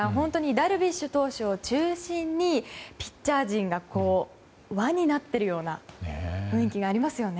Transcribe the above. ダルビッシュ投手を中心にピッチャー陣が輪になっているような雰囲気がありますよね。